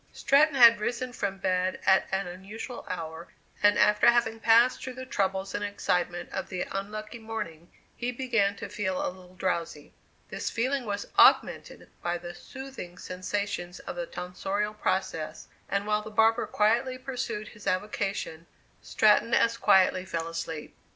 Stratton had risen from bed at an unusual hour, and after having passed through the troubles and excitements of the unlucky morning, he began to feel a little drowsy. This feeling was augmented by the soothing sensations of the tonsorial process, and while the barber quietly pursued his avocation, Stratton as quietly fell asleep.